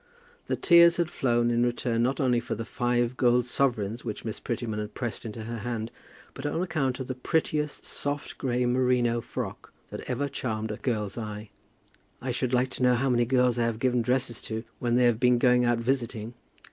The tears had flown in return not only for the five gold sovereigns which Miss Prettyman had pressed into her hand, but on account of the prettiest, soft, grey merino frock that ever charmed a girl's eye. "I should like to know how many girls I have given dresses to, when they have been going out visiting.